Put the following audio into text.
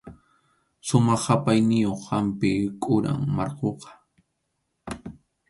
Sumaq qʼapayniyuq hampi quram markhuqa.